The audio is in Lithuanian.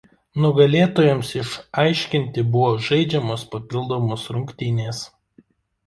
Nugalėtojams išaiškinti buvo žaidžiamos papildomos rungtynės.